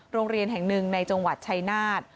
โรงเรียนแห่งหนึ่งในจังหวัดชายนาฏ